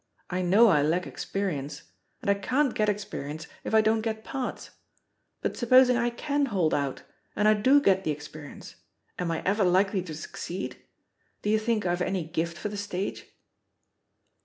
I know I lack experi ence — ^and I can't get experience if I don't get parts — ^but supposing I can hold out and I do get the experience, am I ever likely to succeed? Do you think I've any gift for the stage?"